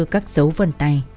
các dấu vân tay